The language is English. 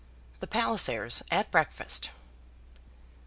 The Pallisers at Breakfast.